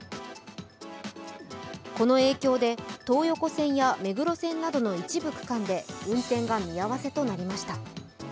この影響で東横線や目黒線などの一部区間で運転が見合わせとなりました。